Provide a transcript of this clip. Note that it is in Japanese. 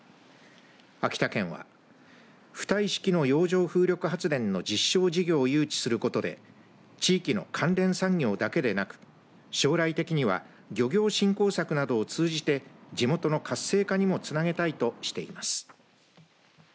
秋田県は浮体式の洋上風力発電の実証事業を誘致することで地域の関連産業だけでなく将来的には漁業振興策などを通じて地元の活性化にもつなげたいとしています。